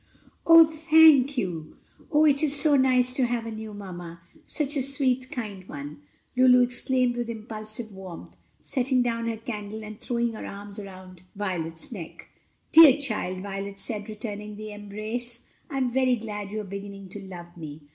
"Thank you. Oh, it is so nice to have a new mamma! such a sweet, kind one," Lulu exclaimed with impulsive warmth, setting down her candle and throwing her arms about Violet's neck. "Dear child!" Violet said, returning the embrace, "I am very glad you are beginning to love me.